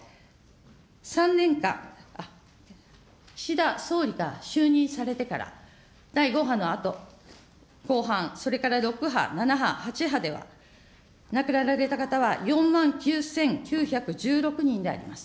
３年間、岸田総理が就任されてから、第５波のあと、後半、それから６波、７波、８波では、亡くなられた方は４万９９１６人であります。